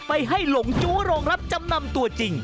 ไปให้หลงจู้โรงรับจำนำตัวจริง